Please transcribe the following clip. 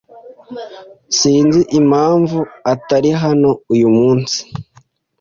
Sinzi impamvu atari hano uyu munsi.